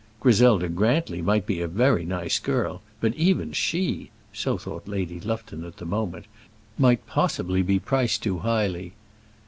Griselda Grantly might be a very nice girl; but even she so thought Lady Lufton at the moment might possibly be priced too highly.